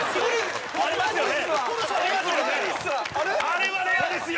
あれはレアですよ！